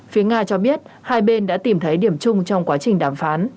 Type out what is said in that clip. phía nga cho biết hai bên đã tìm thấy điểm chung trong quá trình đàm phán